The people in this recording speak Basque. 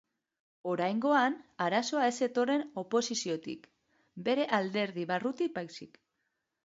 Oraingoan arazoa ez zetorren oposiziotik, bere alderdi barrutik baizik.